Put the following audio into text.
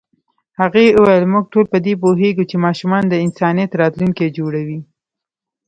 هغې وویل موږ ټول په دې پوهېږو چې ماشومان د انسانیت راتلونکی جوړوي.